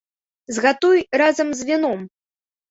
Згатуй разам з віном.